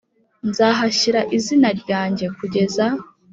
Nzahashyira izina ryanjye kugeza